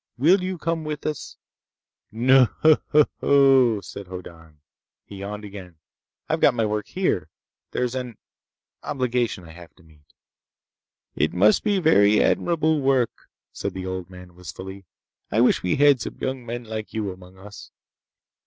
Will you come with us?" "No o o," said Hoddan. He yawned again. "I've got my work here. There's an ... obligation I have to meet." "It must be very admirable work," said the old man wistfully. "I wish we had some young men like you among us."